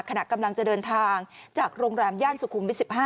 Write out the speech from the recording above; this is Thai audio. ขณะกำลังจะเดินทางจากโรงแรมย่านสุขุมวิท๑๕